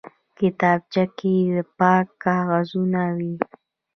کتابچه کې پاک کاغذونه وي